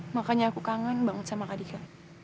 makanya aku kangen banget sama kak dika